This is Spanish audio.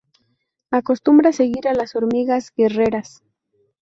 Acostumbra seguir a las hormigas guerreras.